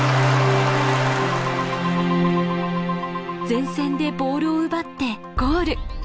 前線でボールを奪ってゴール。